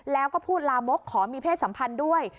แล้วก็พูดลามกขอมีเพศสัมพันธ์ด้วย